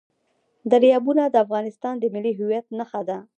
دریابونه د افغانستان د ملي هویت نښه ده.